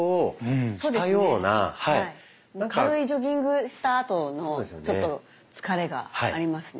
はい軽いジョギングしたあとのちょっと疲れがありますね。